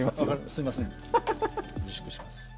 すいません、自粛します。